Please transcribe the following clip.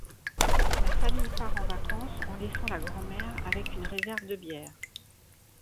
La famille part en vacances en laissant la grand-mère avec une réserve de bière...